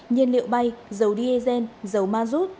nhiên liệu bay dầu diesel dầu mazut